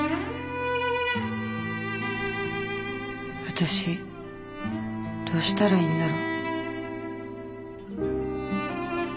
私どうしたらいいんだろ。